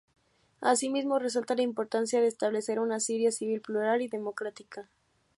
Asimismo, resalta la importancia de establecer una Siria "civil, plural y democrática".